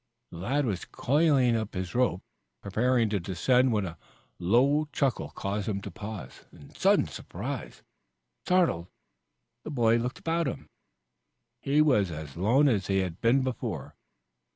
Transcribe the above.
The lad was coiling his rope, preparing to descend when a low chuckle caused him to pause in sudden surprise. Startled, the boy looked about him. He was alone as he had been before.